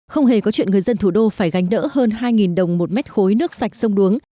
không hề có chuyện người dân thủ đô phải gánh đỡ hơn hai đồng một mét khối nước sạch sông đuống